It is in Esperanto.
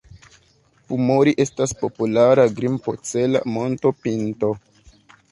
Pumori estas populara grimpocela montopinto.